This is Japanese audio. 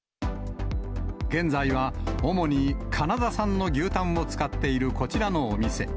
現在は主にカナダ産の牛タンを使っているこちらのお店。